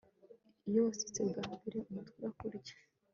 iyo wasutse bwambere umutwe urakurya